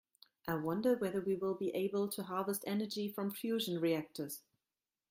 I wonder whether we will be able to harvest energy from fusion reactors.